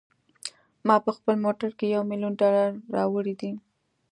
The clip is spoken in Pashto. ما په خپل موټر کې یو میلیون ډالره راوړي دي.